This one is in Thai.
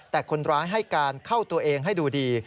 แต่คนร้ายให้การเข้าตัวเองให้ดูดี